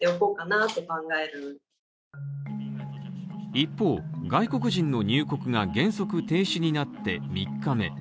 一方、外国人の入国が原則停止になって３日目。